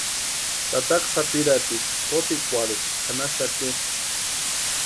Tataka sapirhaticha kopikwarhuksï chʼanaxati.